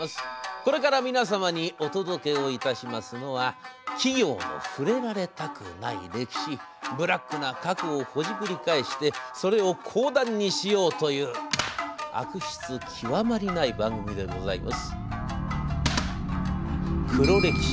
これから皆様にお届けをいたしますのは企業の触れられたくない歴史ブラックな過去をほじくり返してそれを講談にしようという悪質極まりない番組でございます。